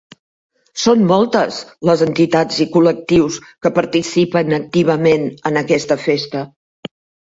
Són moltes les entitats i col·lectius que participen activament en aquesta festa.